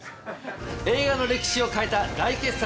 映画の歴史を変えた大傑作。